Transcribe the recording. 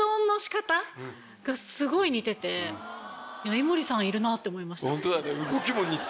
井森さんいるなぁって思いました。